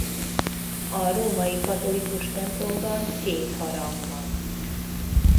A római katolikus templomban két harang van.